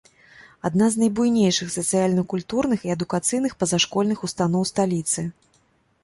Адна з найбуйнейшых сацыяльна-культурных і адукацыйных пазашкольных устаноў сталіцы.